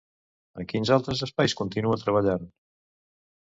En quins altres espais continua treballant?